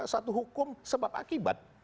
satu hukum sebab akibat